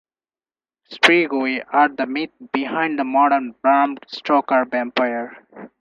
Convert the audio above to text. Strigoi are the myth behind the modern Bram Stoker vampire.